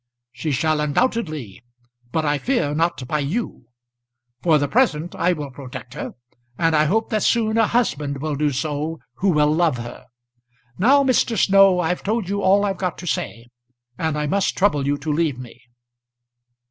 "She shall, undoubtedly; but I fear not by you. For the present I will protect her; and I hope that soon a husband will do so who will love her. Now, Mr. Snow, I've told you all I've got to say, and I must trouble you to leave me."